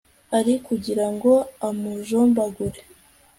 ari kugira ngo amujombagure